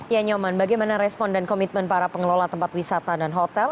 ya nyoman bagaimana respon dan komitmen para pengelola tempat wisata dan hotel